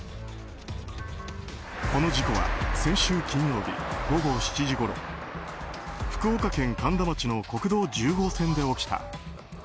この事故は先週金曜日午後７時ごろ福岡県苅田町の国道１０号線で起きた。